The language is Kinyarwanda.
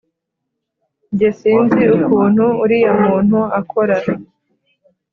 jye sinzi ukuntu uriya muntu akora